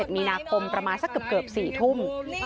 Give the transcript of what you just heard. มีนาคมประมาณสักเกือบ๔ทุ่ม